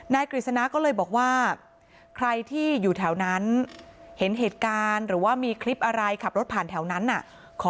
กฤษณะก็เลยบอกว่าใครที่อยู่แถวนั้นเห็นเหตุการณ์หรือว่ามีคลิปอะไรขับรถผ่านแถวนั้นน่ะ